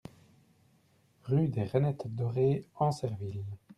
Rue des Reinettes Dorées, Ancerville